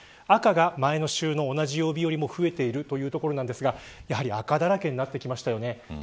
赤が、前の週の同じ曜日よりも増えているところですがやはり赤だらけになってきました。